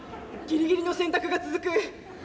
ギリギリの選択が続く。